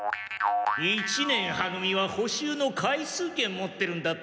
一年は組は補習の回数券持ってるんだって。